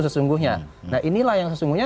sesungguhnya nah inilah yang sesungguhnya